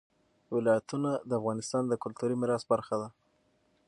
ولایتونه د افغانستان د کلتوري میراث برخه ده.